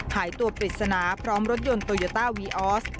หายตัวปริศนาพร้อมรถยนต์โตโยต้าวีออส